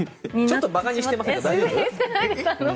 ちょっと馬鹿にしてません？